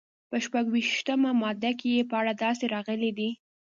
په شپږویشتمه ماده کې یې په اړه داسې راغلي دي.